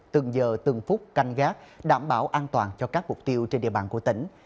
từng giờ từng phút canh gác đảm bảo an toàn cho các mục tiêu trên địa bàn của tỉnh